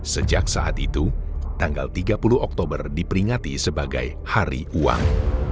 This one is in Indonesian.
sejak saat itu tanggal tiga puluh oktober diperingati sebagai hari uang